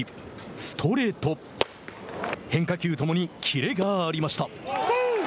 ストレート、変化球ともにキレがありました。